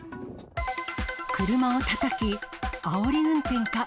車をたたき、あおり運転か。